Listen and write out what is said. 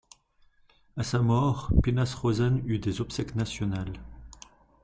À sa mort, Pinhas Rosen eut des obsèques nationales.